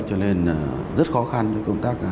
cho nên rất khó khăn công tác